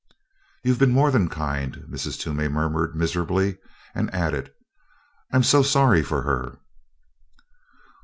"You've been more than kind," Mrs. Toomey murmured miserably, and added, "I'm so sorry for her."